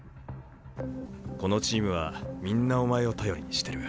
このチームはみんなお前を頼りにしてる。